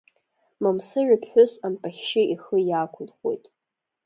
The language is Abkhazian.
Мамсыр иԥҳәыс ампахьшьы ихы иаақәылхуеит.